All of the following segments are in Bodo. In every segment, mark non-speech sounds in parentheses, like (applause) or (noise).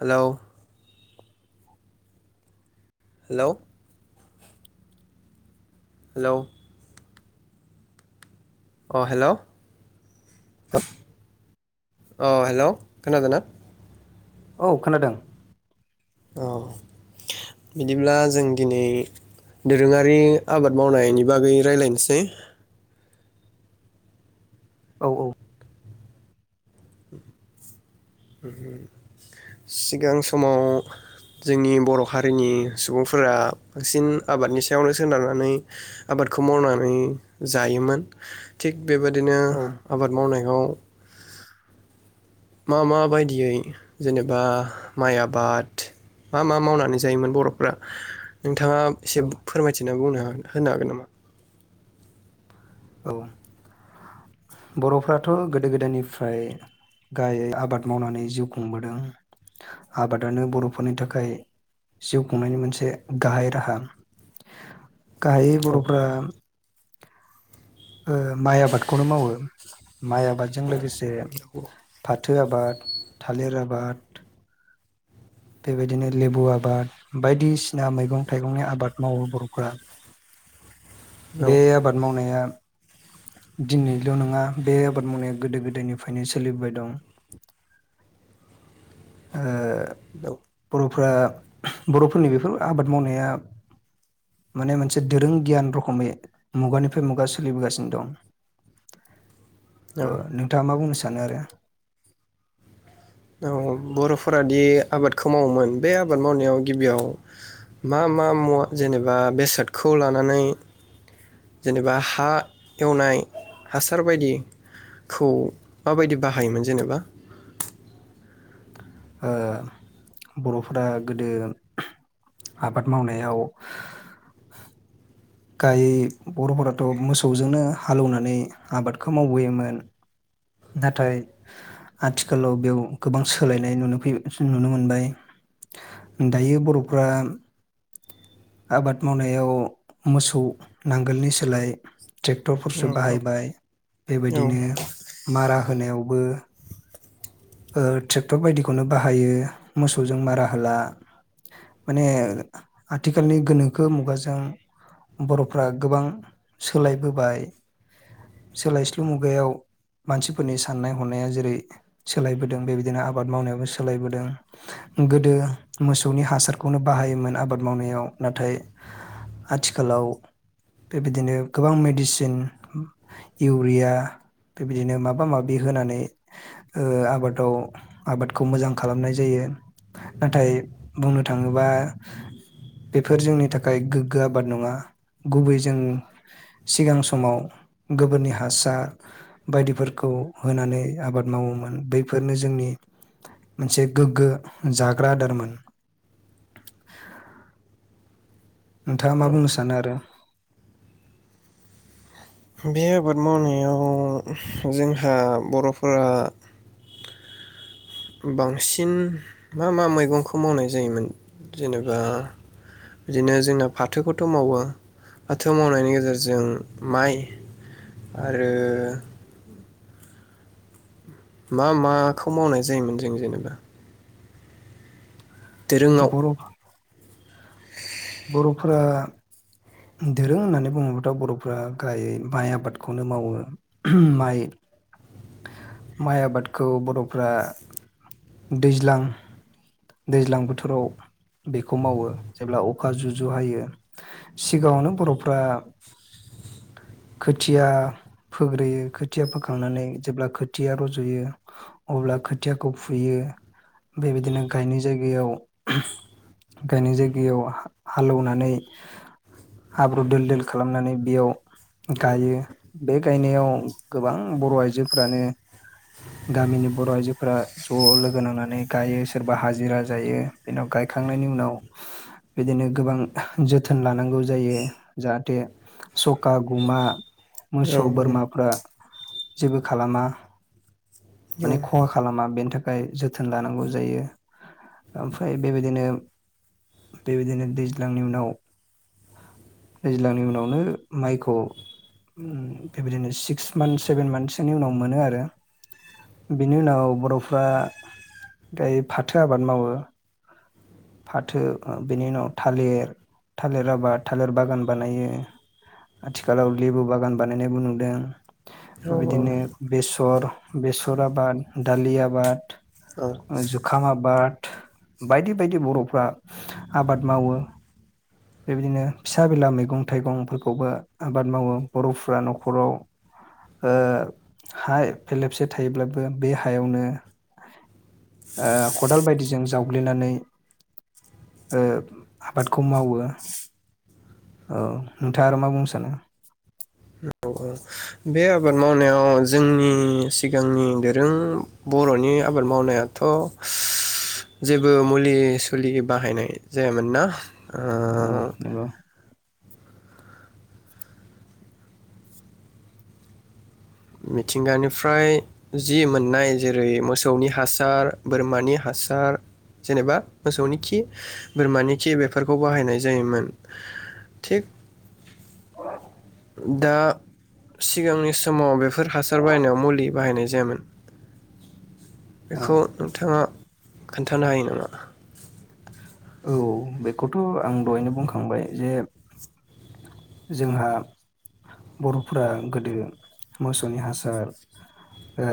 हेलौ हेलौ हेलौ अ हेल अ हेल खोनादोंना? औ खोनादों। औ बिदिब्ला जों दिनै दोरोङारि आबाद मावनायनि बागै रायलायनोसै। औ औ सिगां समाव जोंनि बर' हारिनि सुबुंफोरा बांसिन आबादनि सायावनो सोनारनानै आबादखौ मावनानै जायोमोन थिग बेबायादिनो औ आबाद मावनायखौ (inaudible) मा मा बायदियै जेनेबा माइ आबाद मा मा मावनानै जायोमोन बर फ्रा नोंथाङा एसे औ फोरमायथि नों बुंनो हागोन होनो हागोन नामा? औ बर' फोराथ' गोदो गोदायनिफ्राय गाहायै आबाद मावनानै जिउ खुंबोदों आबादानो बर' फोरनि थाखाय जिउ खुंनायनि मोनसे गाहाय राहा। गाहायै औ बर फ्रा ओ माइ आबादखौनो मावो माइ आबादजों लोगोसे फा फाथो आबाद थालिर आबाद बेबायदिनो लेबु आबाद बायदिसिना मैगं थायगंनि आबाद मावो बरफोरा बे औ आबाद मावनाया दिनैल' नङा बे आबाद मावनाया गोदो गोदायनिफ्रायनो सोलिबोबाय दं। ओ बर' फ्रा बरफोरनि बेफोर आबाद मावनाया माने मोनसे दोरों गियान रखोमै मुगानिफ्राय मुगा सोलिबोगासिनो दं। औ ओ नोंथाङा मा बुंनो सान सानो आरो? औ बर'फोरादि आबादखौ मावोमोन बे आबाद मावनायाव गिबियाव मा मा मुवा जेनेबा बेसादखौ लानानै जेनेबा हा एवनाय, हासार बायदिखौ माबायदि बाहायोमोन जेनेबा? ओ बर'फोरा गोदो आबाद मावनायाव गाय बरफोराथ मोसौजोंनो हालौवनानै आबादखौ मावबोयोमोन। नाथाय आथिखालाव बेयाव गोबां सोलायनाय नुनो फै नुनो मोनबाय। दायो बर'फ्रा आबाद मावनायाव मोसौ नांगोलनि सोलाय औ ट्रेक्टरफोरसो बाहायबाय औ बेबायदिनो मारा होनायावबो ओ ट्रेक्टर बायदिखौनो बाहायो मोसौजों मारा होला। माने आथिखालनि गोनोखो मुगाजों बर'फ्रा गोबां सोलायबोबाय सोलायस्लु मुगायाव मानसिफोरनि साननाय हनाया जेरै सोलायबोदों, बेबायदिनो आबाद मावनायावबो सोलायबोदों गोदो मोसौनि हासारखौनो बाहायोमोन आबाद मावनायाव। नाथाय आथिखालाव बेबायदिनो गोबां मेडिसिन, इउरिया बेबायदिनो माबा माबि होनानै ओ आबादाव आबादखौ मोजां खालामनाय जायो। नाथाय बुंनो थाङोबा बेफोर जोंनि थाखाय गोग्गो आबाद नङा, गुबै जों सिगां समाव गोबोरनि हासार बायदिफोरखौ होनानै आबाद मावोमोन। ओ बैफोरनो जोंनि मोनसे गोग्गो जाग्रा आदारमोन। नोंथाङा मा औ बुंनो सानो आरो? बे आबाद मावनायाव जोंहा बर'फोरा बांसिन मा मा मैगंखौ मावनाय जायोमोन? जेनेबा बिदिनो जोंना फाथोखौथ' मावो फाथो मावनायनि गेजेरजों माइ आरो मा माखौ मावनाय जायोमोन जों जेनेबा? दोरोङाव औ बर'फ बर'फोरा दोरों होननानै बुङोब्लाथ बर'फ्रा गाहायै माइ आबादखौनो मावो। माइ माइ आबादखौ बर'फ्रा दैज्लां दैज्लां बोथोराव बेखौ मावो जेब्ला अखा जु जु हायो। सिगाङावनो बर'फ्रा खोथिया फोग्रोयो, खोथिया फोखांनानै जेब्ला खोथिया रजयो अब्ला खोथियाखौ फुयो। बेबायदिनो गायनाय जायगायाव गायनाय जायगायाव हा-हालौवनानै हाब्रु दोल दोल खालामनानै बेयाव गायो बे गायनायाव गोबां बर' आइजोफ्रानो गामिनि बर‌' आइजोफोरा ज लोगो नांनानै गायो, सोरबा हाजिरा जायो। बेनाव गायखांनायनि उनाव बिदिनो गोबां जोथोन लानांगौ जायो जाहाथे सखा गुमा मोसौ बोरमाफ्रा जेबो खालामा औ माने खहा खालामा बेनि थाखाय जोथोन लानांगौ जायो। आमफ्राय बेबायदिनो बेबायदिनो दैज्लांनि उनाव दैज्लांनि उनावनो माइखौ बेबायदिनो सिक्स मान्थस सेभेन मान्थसोनि उनाव मोनो आरो। बेनि उनाव बर'फ्रा गाय फाथो आबाद मावो, फाथो बेनि उनाव थालिर थालिर आबाद थालिर बागान बानायो, आथिखालाव लेबु बागान बानायनायबो नुदों। औ बेबायदिनो बेसर बेसर आबाद, दालि आबाद, औ ओ जुखाम आबाद बायदि बायदि बर'फ्रा आबाद मावो। बेबायदिनो फिसा बिला मैगं थाइगंफोरखौबो आबाद मावो बर'फ्रा नखराव ओ हा फेरलेबसे थायोब्लाबो बे हायावनो ओ खदाल बायदिजों जावग्लिनानै ओ आबादखौ मावो। ओ नोंथाङा आरो मा बुंनो सानो? बे आबाद मावनायाव जोंनि सिगांनि दोरों बर'नि आबाद मावनायाथ' जेबो मुलि सुलि बाहायनाय जायामोन ना? ओ औ नंगौ मिथिंगानिफ्राय जि मोननाय जेरै मोसौनि हासार, बोरमानि हासार जेनेबा मोसौनि खि, बोरमानि खि बेफोरखौ बाहायनाय जायोमोन थिग दा सिगांनि समाव बेफोर हासार बायहायनायाव मुलि बाहायनाय जायामोन। औ बेखौ नोंथाङा खोनथानो हायो नामा? औ बेखौथ आं दहायनो बुंखांबाय जे जोंहा बर'फोरा गोदो मोसौनि हासार, ओ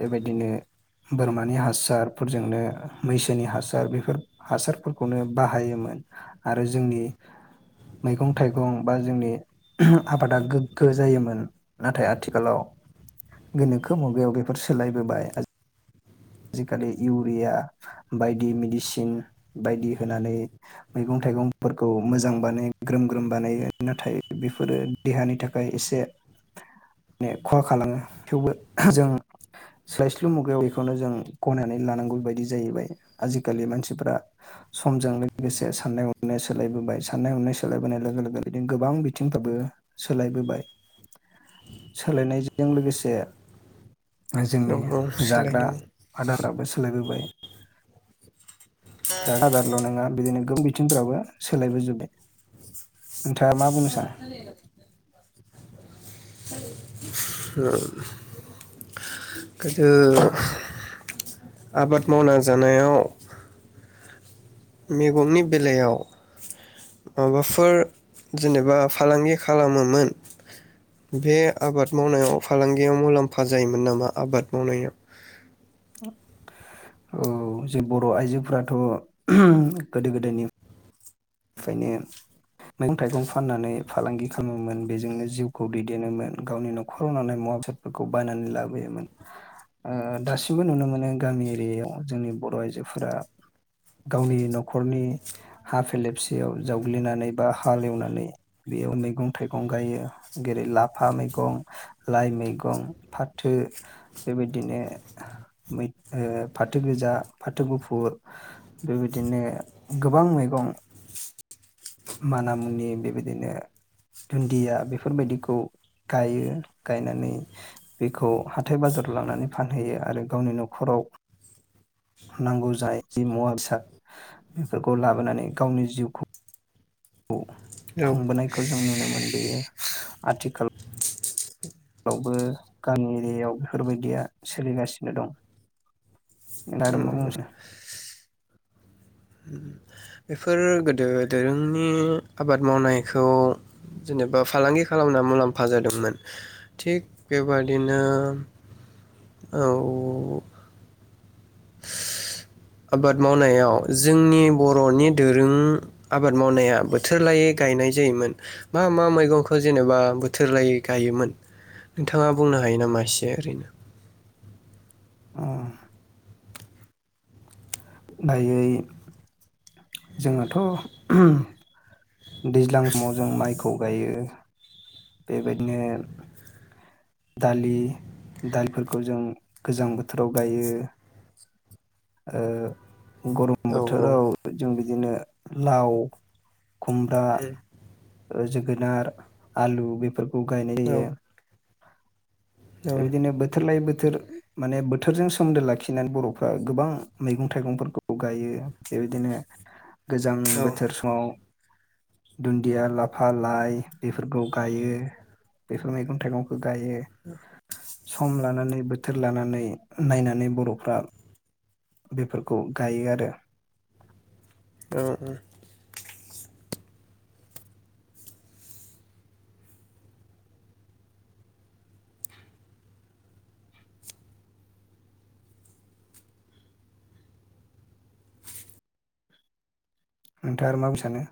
बेबायदिनो बोरमानि हासारफोरजोंनो मैसोनि हासार बेफोर हासारफोरखौनो बाहायोमोन आरो जोंनि मैगं थाइगं बा जोंनि आबादा गोग्गो जायोमोन। नाथाय आथिखालाव गोनोखो मुगायाव बेफोर सोलायबोबाय। आजिखालि इउरिया बायदि मेडिसिन बायदि होनानै मैगं थाइगंफोरखौ मोजां बानाय ग्रोम ग्रोम बानायो। नाथाय बेफोरो देहानि थाखाय एसे माने खहा खालामो थेवबो जों सोलायस्लु मुगायाव बेखौनो जों गनायनानै लानांगौ बायदि जाहैबाय आजि खालि मानसिफ्रा समजों लोगोसे साननाय हनाय सोलायबोबाय साननाय हनाय सोलायबोनाय लोगो-लोगो बिदिनो गोबां बिथिंफ्राबो सोलायबोबाय सोलायनायजों लोगोसे औ औ जोंनि जाग्रा सोलायदोंमोन आदाराबो सोलायबो बोबाय। जाग्रा आदारल' नङा बिदिनो गोबां बि बिथिंफ्राबो सोलायबोजोब्बाय। नोंथाङा मा बुंनो (unintelligible) सानो गोदो आबाद मावना जानायाव मैगंनि बेलायाव माबाफोर जेनेबा फालांगि खालामोमोन बे आबाद मावनायाव फालांगियाव मुलाम्फा जायोमोन नामा आबाद मावनायाव? औ जे बर' आइजोफोराथ' गोदो गोदायनि फ्रायनो मैगं थाइगं फाननानै फालांगि खालामोमोन बेजोंनो जिउखौ दैदेनोमोन गावनि नख'राव नांगौ मुवा बेसादफोरखौ बायनानै लाबोयोमोन ओ दासिमबो नुनो मोनो गामि एरियायाव जोंनि बर' आइजोफोरा गावनि नख'रनि हा फेलेबसे सेयाव जावग्लिनानै बा हालेवनानै बेयाव मैगं थाइगं गायो जेरै लाफा मैगं लाइ मैगं फाथो बेबायदिनो मैथ फाथो गोजा फाथो गुफुर बेबायदिनो गोबां मैगं। माना मुनि बेबायदिनो दुन्दिया बेफोरबायदिखौ गायो गायनानै बेखौ हाथाय बाजाराव लांनानै फानहैयो आरो गावनि नख'राव नांगौ जानाय जि मुवा बेसाद बेफोरखौ लाबोनानै गावनि जिउखौ खौ औ खुंबोनायखौ जों नुनो मोनबोयो। आथिखाल आवबो गामि एरियायाव बेफोर बायदिया सोलिगासिनो दं। नोंथाङा आरो मा उम। बुंसै बेफोर गोदो दोरोंनि आबाद मावनायखौ जेनेबा फालांगि खालामना मुलाम्फा जादोंमोन थिग बेबादिनो औ आबाद मावनायाव जोंनि बर'नि दोरों आबाद मावनाया बोथोर लायै गायनाय जायोमोन मा मा मैगंखौ जेनेबा बोथोर लायै गायोमोन नोंथाङा बुंनो हायो नामा एसे ओरैनो? अ। दायै जोङोथ' दैज्लां समाव जों माइखौ गायो। बेबायदिनो दालि दालिफोरखौ जों गोजां बोथोराव गायो। ओ गरम औ बोथोराव जों बिद बिदिनो लाव खुमब्रा जोगोनार आलु बेफोर खौ गायनाय जायो। औ बेबायदिनो बोथोर लायै बोथो थोर माने बोथोरजों सोमोन्दो लाखिनानै बर'फ्रा गोबां मैगं थाइगंफोरखौ गायो बेबायदिनो गोजां औ बोथोर समाव दुन्दिया लाफा लाइ बेफोरखौ गायो बेफोर मैगं थाइगंखौ गायो। सम लानानै बोथोर लानानै नायनानै बर'फ्रा बेफोरखौ गायो आरो। ओ ओम। नोंथाङा आरो मा बुंनो सानो?